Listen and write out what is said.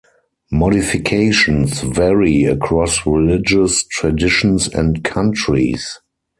Modifications vary across religious traditions and countries.